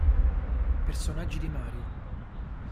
Personaggi di Mario